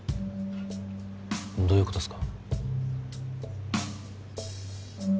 どういうことっすか？